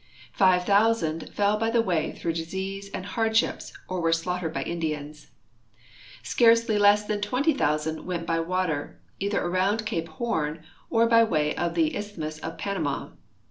Five thousand fell by the way through disease and hardships or were slaughtered by Indians. Scarcely less than 20,000 went by water, either around cape Horn or by way of the isthmus of Panama.